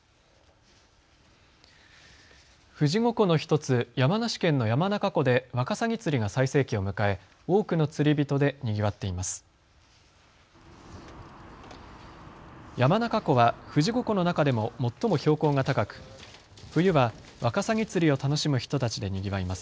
富士五湖の１つ、山梨県の山中湖でワカサギ釣りが最盛期を迎え多くの釣り人でにぎわっています。